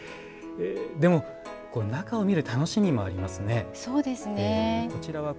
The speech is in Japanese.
でも、中を見る楽しみもありますね。